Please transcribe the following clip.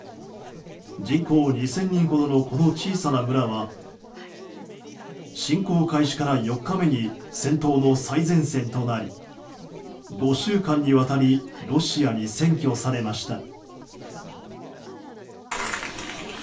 人口２０００人ほどのこの小さな村は侵攻開始から４日目に戦闘の最前線となり５週間にわたりロシアに占拠されました。